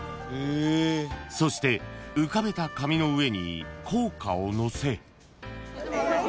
［そして浮かべた紙の上に硬貨をのせ］